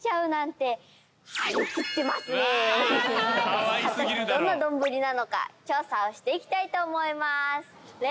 果たしてどんな丼なのか調査していきたいと思います。